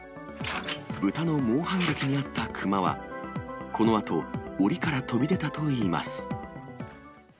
豚の猛反撃に遭った熊は、このあと、おりから飛び出たといいます。